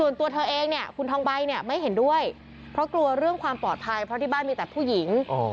รวมเรื่องความปลอดภัยพอที่บ้านมีแต่ผู้หญิง